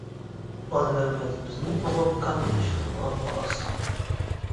ئانىلىرىمىز بىزنى تۇغۇپ كاتتا ئىش قىلغان خالاس.